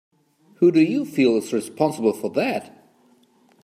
Who do you feel is responsible for that?